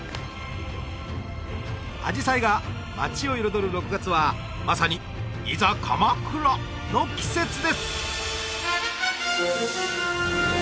アジサイが街を彩る６月はまさにの季節です！